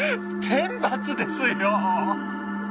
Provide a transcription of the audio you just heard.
天罰ですよ！